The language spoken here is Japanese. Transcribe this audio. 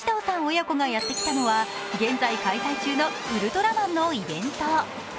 親子がやってきたのは、現在開催中のウルトラマンのイベント。